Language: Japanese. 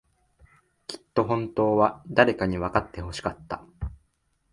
きっと、本当は、誰かにわかってほしかった。